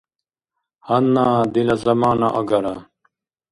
Гьанна дила замана агара.